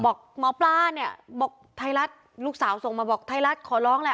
บอกหมอปลาเนี่ยบอกไทยรัฐลูกสาวส่งมาบอกไทยรัฐขอร้องแหละ